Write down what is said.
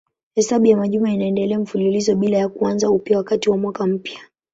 Hesabu ya majuma inaendelea mfululizo bila ya kuanza upya wakati wa mwaka mpya.